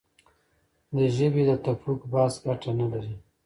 د ژبې د تفوق بحث ګټه نه لري.